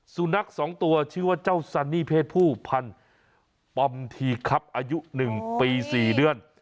สุนัข๒ตัวชื่อว่าเจ้าซันนี่เพศผู้พันปอมทีครับอายุ๑ปี๔เดือน